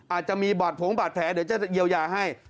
อาจจะมีบาดผงบาดแผลเดี๋ยวจะเยียวยาให้